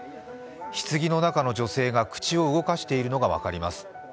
ひつぎの中の女性が口を動かしているのが分かります。